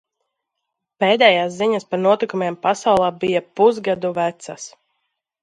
Pēdējās ziņas par notikumiem pasaulē bija pusgadu vecas.